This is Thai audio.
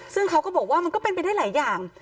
ซึ่งเขาก็บอกว่ามันก็เป็นไปได้หลายอย่าง